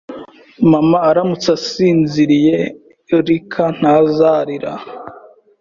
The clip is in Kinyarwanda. Mama aramutse asinziriye Lyca ntazarira